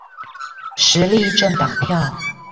時力政黨票